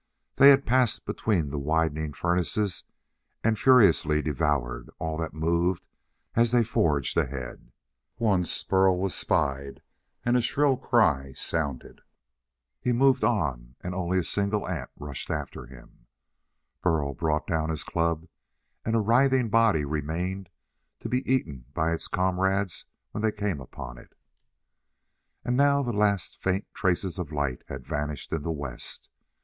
They had passed between the widening furnaces and furiously devoured all that moved as they forged ahead. Once Burl was spied, and a shrill cry sounded, but he moved on and only a single ant rushed after him. Burl brought down his club and a writhing body remained to be eaten by its comrades when they came upon it. And now the last faint traces of light had vanished in the west.